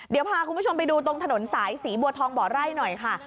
เดี๋ยวพาคุณผู้ชมไปดูตรงถนนสายศรีบัวทองบ่อไร่หน่อยค่ะ